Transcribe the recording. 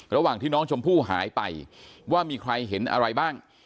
ระหว่างที่น้องชมพู่หายไปว่ามีใครเห็นอะไรบ้าง